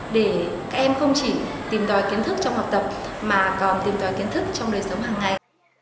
để các em không chỉ tìm tòi kiến thức trong học tập mà còn tìm tòi kiến thức trong đời sống hàng ngày